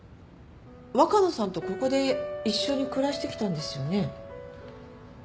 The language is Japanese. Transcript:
若菜さんとここで一緒に暮らしてきたんですよね？